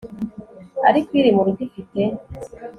ariko iri mu rugo ifite